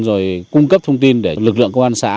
rồi cung cấp thông tin để lực lượng công an xã